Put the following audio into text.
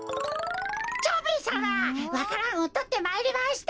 蝶兵衛さまわか蘭をとってまいりました。